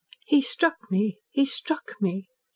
"He struck me! He struck me!